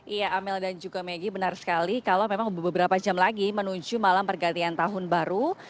iya amel dan juga megi benar sekali kalau memang beberapa jam lagi menuju malam pergantian tahun baru